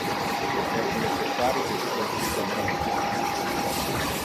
Es necessari que tu consulta un medico.